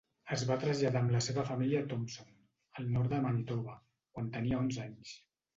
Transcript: Es va traslladar amb la seva família a Thompson, al nord de Manitoba, quan tenia onze anys.